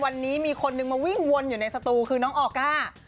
วันนี้มีคนนึงมาวิ่งวนอยู่ในสตูคือน้องออก้า